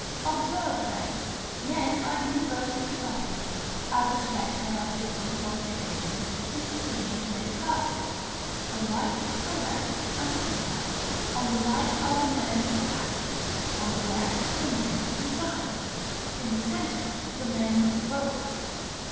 Observe then. Men are universally divided, as respects their artistical qualifications, into three great classes; a right, a left, and a centre. On the right side are the men of facts, on the left the men of design, in the centre the men of both.